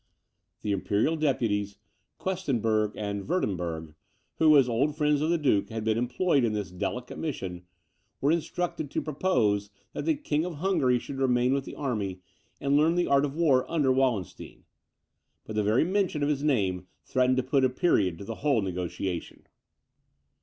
The imperial deputies, Questenberg and Werdenberg, who, as old friends of the duke, had been employed in this delicate mission, were instructed to propose that the King of Hungary should remain with the army, and learn the art of war under Wallenstein. But the very mention of his name threatened to put a period to the whole negociation.